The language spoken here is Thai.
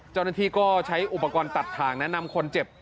เจ้าหน้าที่ก็ใช้อุปกรณ์ตัดถ่างแนะนำคนเจ็บ